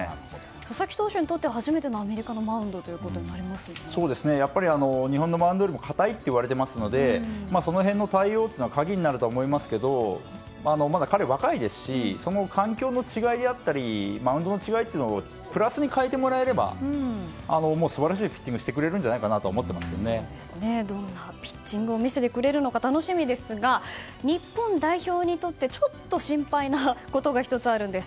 佐々木投手にとっては初めてのアメリカのマウンドと日本のマウンドよりもかたいといわれているのでその辺の対応というのが鍵になると思いますけど彼はまだ若いですしその環境の違いだったりマウンドの違いをプラスに変えてもらえればもう素晴らしいピッチングをしてくれるんじゃないかなとどんなピッチングを見せてくれるのか楽しみですが、日本代表にとってちょっと心配なことが１つあるんです。